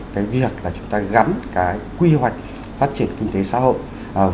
cái việc là chúng ta gắn cái quy hoạch phát triển kinh tế xã hội